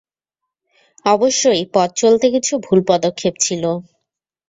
অবশ্যই, পথ চলতে কিছু ভুল পদক্ষেপ ছিল।